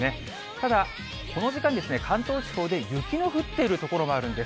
ただ、この時間、関東地方で雪の降っている所があるんです。